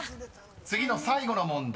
［次の最後の問題